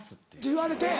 言われて。